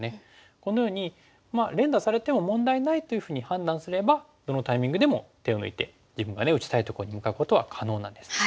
このようにまあ連打されても問題ないというふうに判断すればどのタイミングでも手を抜いて自分が打ちたいとこに向かうことは可能なんです。